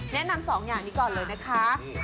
แนะนำ๒อย่างนี้ก่อนเลยนะคะ